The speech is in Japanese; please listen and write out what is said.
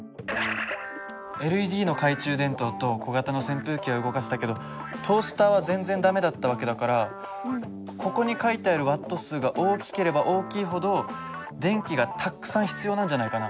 ＬＥＤの懐中電灯と小型の扇風機は動かせたけどトースターは全然駄目だった訳だからここに書いてあるＷ数が大きければ大きいほど電気がたくさん必要なんじゃないかな。